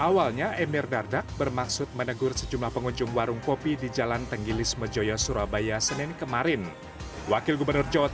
dalam simulasi ini emil menyelesaikan makan seporsi nasi warteg dalam waktu delapan menit